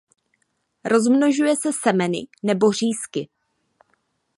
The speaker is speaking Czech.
Rozmnožuje se semeny nebo řízky.